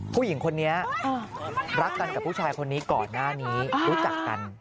ผู้หญิงคนนี้รักกันกับผู้ชายคนนี้ก่อนหน้านี้รู้จักกัน